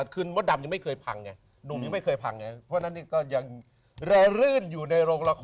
คือมดดำยังไม่เคยพังไงหนุ่มยังไม่เคยพังไงเพราะฉะนั้นก็ยังแร่รื่นอยู่ในโรงละคร